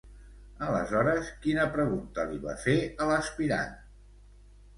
Aleshores, quina pregunta li va fer a l'aspirant?